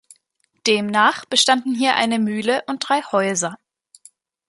Demnach bestanden hier eine Mühle und drei Häuser.